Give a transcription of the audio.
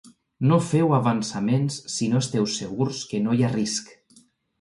No feu avançaments si no esteu segurs que no hi ha risc.